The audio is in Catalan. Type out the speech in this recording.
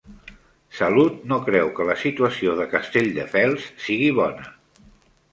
Salut no creu que la situació de Castelldefels sigui bona.